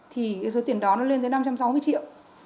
thì cái số tiền đó nó lên tới năm trăm sáu mươi triệu